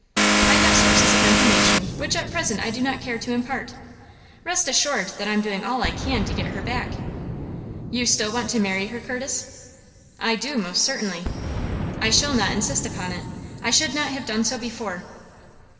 "I have sources of information which at present I do not care to impart. Rest assured that I am doing all I can to get her back." "You still want to marry her, Curtis?" "I do, most certainly." "I shall not insist upon it. I should not have done so before."